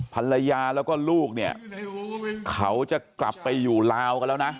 ภรรยาแล้วก็ลูกเนี่ยเขาจะกลับไปอยู่ลาวกันแล้วนะ